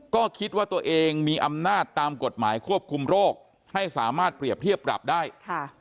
ก็คิดว่าตัวเองมีอำนาจตามกฎหมายควบคุมโรคให้สามารถเปรียบเทียบปรับได้ค่ะ